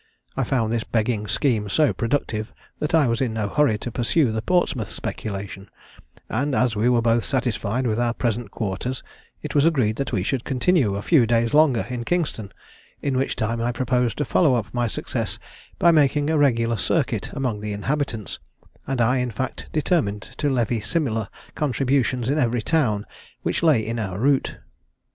I found this begging scheme so productive, that I was in no hurry to pursue the Portsmouth speculation; and, as we were both satisfied with our present quarters, it was agreed that we should continue a few days longer in Kingston, in which time I proposed to follow up my success by making a regular circuit among the inhabitants, and I, in fact, determined to levy similar contributions in every town which lay in our route.